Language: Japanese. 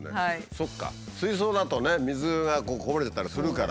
そっか水槽だとね水がこぼれたりするから。